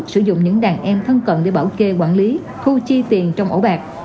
sử dụng những đàn em thân cận để bảo kê quản lý thu chi tiền trong ổ bạc